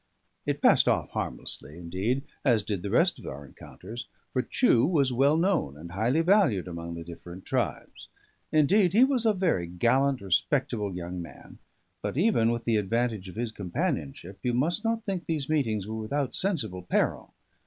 It passed off harmlessly, indeed, as did the rest of our encounters; for Chew was well known and highly valued among the different tribes. Indeed, he was a very gallant, respectable young man; but even with the advantage of his companionship, you must not think these meetings were without sensible peril.